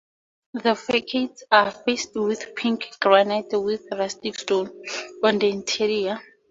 The facades are faced with pink granite with rustic stone on the interior.